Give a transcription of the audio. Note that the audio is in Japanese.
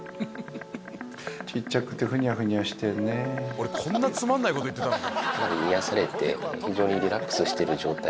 俺こんなつまんないこと言ってたんだ。